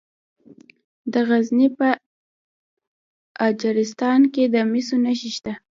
د غزني په اجرستان کې د مسو نښې شته.